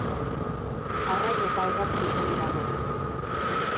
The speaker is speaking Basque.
Arrain eta hegazti ugari dago.